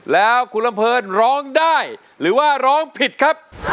แล้วคุณลำเพลินร้องได้หรือว่าร้องผิดครับ